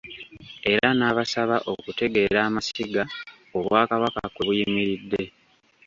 Era n'abasaba okutegeera amasiga Obwakabaka kwe buyimiridde.